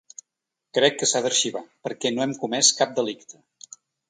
Crec que s’ha d’arxivar, perquè no hem comès cap delicte.